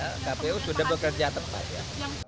kpu sudah bekerja tepat ya